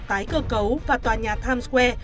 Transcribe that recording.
tái cơ cấu và tòa nhà times square